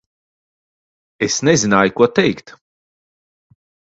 Es nezināju, ko teikt.